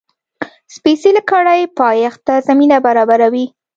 سپېڅلې کړۍ پایښت ته زمینه برابروي.